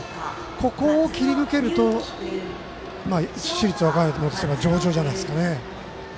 ここを切り抜けると市立和歌山とすれば上々じゃないですかね。